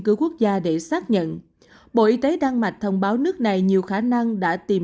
cứu quốc gia để xác nhận bộ y tế đan mạch thông báo nước này nhiều khả năng đã tìm